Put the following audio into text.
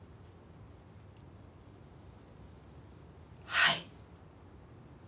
はい。